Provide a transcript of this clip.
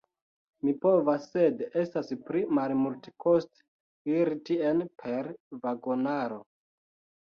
Mi povas, sed estas pli malmultekoste iri tien per vagonaro.